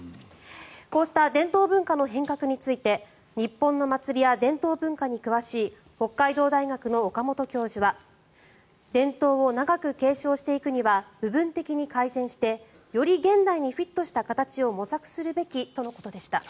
こうした伝統文化の変革について日本の祭りや伝統文化に詳しい北海道大学の岡本教授は伝統を長く継承していくには部分的に改善してより現代にフィットした形を模索するべきとのことでした。